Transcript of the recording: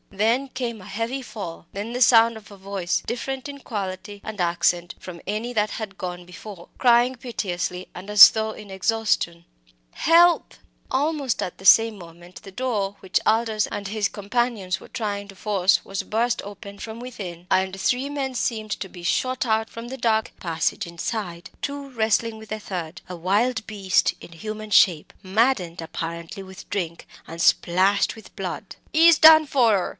Then came a heavy fall then the sound of a voice, different in quality and accent from any that had gone before, crying piteously and as though in exhaustion "Help!" Almost at the same moment the door which Aldous and his companions were trying to force was burst open from within, and three men seemed to be shot out from the dark passage inside two wrestling with the third, a wild beast in human shape, maddened apparently with drink, and splashed with blood. "Ee's done for her!"